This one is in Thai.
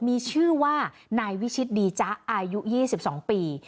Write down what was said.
มีชื่อว่านายวิชิตดีจ๊ะอายุ๒๒ปี